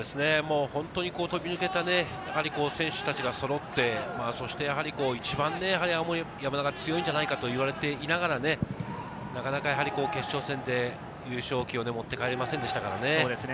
本当に飛び抜けた選手達がそろって、一番青森山田が強いんじゃないかと言われていながら、なかなか決勝戦で、優勝旗を持って帰れませんでしたからね。